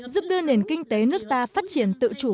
giúp đưa nền kinh tế nước ta phát triển tự chủ